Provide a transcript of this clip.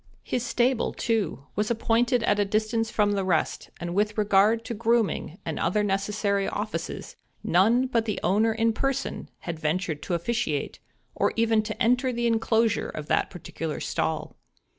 His stable, too, was appointed at a distance from the rest; and with regard to grooming and other necessary offices, none but the owner in person had ventured to officiate, or even to enter the enclosure of that particular stall.